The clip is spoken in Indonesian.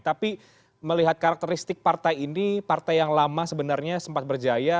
tapi melihat karakteristik partai ini partai yang lama sebenarnya sempat berjaya